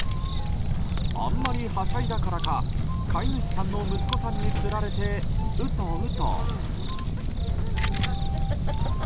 あんまりはしゃいだからか飼い主さんの息子さんにつられてウトウト。